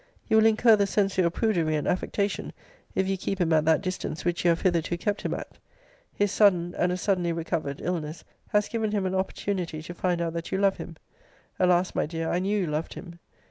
You will incur the censure of prudery and affectation, if you keep him at that distance which you have hitherto [kept him at.] His sudden (and as suddenly recovered) illness has given him an opportunity to find out that you love him (Alas! my dear, I knew you loved him!)